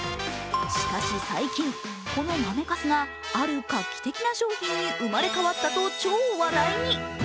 しかし最近、この豆かすがある画期的な商品に生まれ変わったと超話題に。